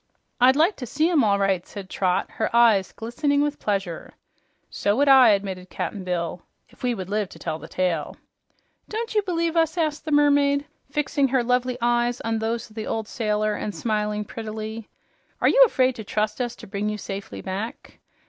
"I'd like to see 'em, all right," said Trot, her eyes glistening with pleasure. "So would I," admitted Cap'n Bill, "if we would live to tell the tale." "Don't you believe us?" asked the mermaid, fixing her lovely eyes on those of the old sailor and smiling prettily. "Are you afraid to trust us to bring you safely back?"